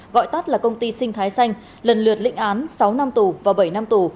gọi tắt là công ty sinh thái xanh lần lượt lịnh án sáu năm tù và bảy năm tù